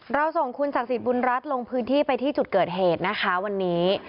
เราส่งคุณศักดิ์สิทธิบุญรัฐลงพื้นที่ไปที่จุดเกิดเหตุนะคะวันนี้